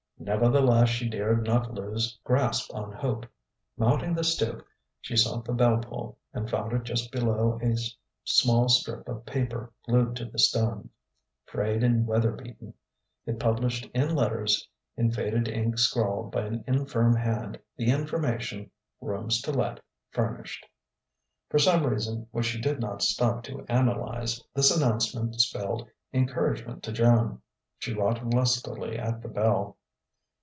Nevertheless she dared not lose grasp on hope. Mounting the stoop, she sought the bell pull, and found it just below a small strip of paper glued to the stone; frayed and weatherbeaten, it published in letters in faded ink scrawled by an infirm hand the information: "Rooms to let furnished." For some reason which she did not stop to analyze, this announcement spelled encouragement to Joan. She wrought lustily at the bell.